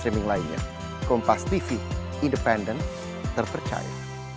tapi disimpan di kantor gitu ya